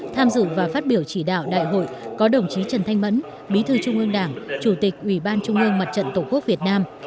tham dự và phát biểu chỉ đạo đại hội có đồng chí trần thanh mẫn bí thư trung ương đảng chủ tịch ủy ban trung ương mặt trận tổ quốc việt nam